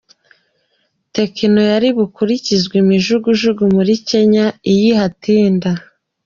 Tekno yari bukurikizwe imijugujugu muri Kenya iyo ahatinda.